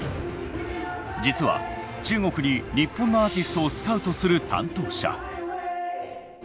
実は中国に日本のアーティストをスカウトする担当者。